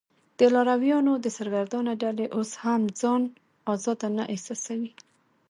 د لارویانو دې سرګردانه ډلې اوس هم ځان آزاد نه احساساوه.